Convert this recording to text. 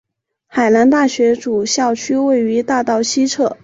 海南大学主校区位于大道西侧。